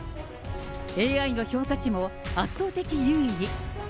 ＡＩの評価値も圧倒的優位に。